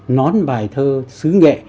nón bài thơ sứ nghệ